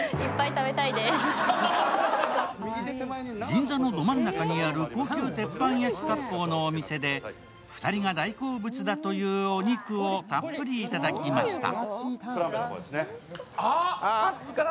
銀座のど真ん中にある高級鉄板焼きかっぽうのお店で２人が大好物だというお肉をたっぷり頂きました。